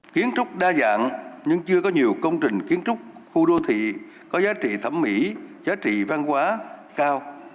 kiến trúc đa dạng nhưng chưa có nhiều công trình kiến trúc khu đô thị có giá trị thẩm mỹ giá trị văn hóa cao